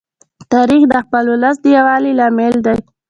تاریخ د خپل ولس د یووالي لامل دی.